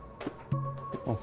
あっ